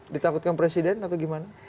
ditakutkan presiden atau gimana